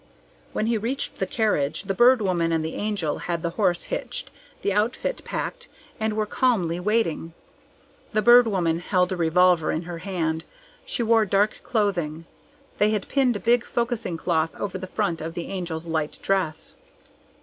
When he reached the carriage, the Bird Woman and the Angel had the horse hitched, the outfit packed, and were calmly waiting. The Bird Woman held a revolver in her hand. She wore dark clothing. They had pinned a big focusing cloth over the front of the Angel's light dress.